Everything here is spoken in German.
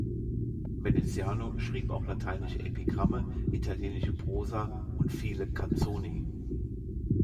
Veneziano schrieb auch lateinische Epigramme, italienische Prosa und viele „canzoni“.